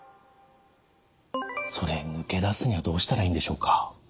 それ抜け出すにはどうしたらいいんでしょうか？